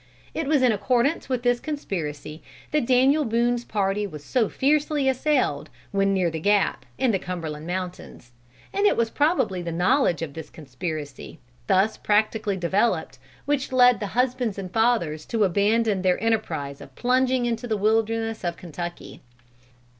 It was in accordance with this conspiracy that Daniel Boone's party was so fiercely assailed when near the Gap, in the Cumberland mountains; and it was probably the knowledge of this conspiracy, thus practically developed, which led the husbands and fathers to abandon their enterprise of plunging into the wilderness of Kentucky.